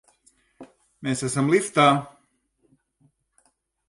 Mēs esam liftā!